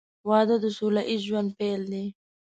• واده د سوله ییز ژوند پیل دی.